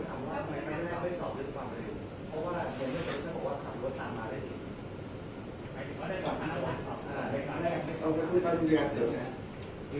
คำว่าทำไมนายไม่สอบเรื่องความเดียว